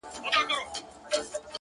مړاوي یې سترگي،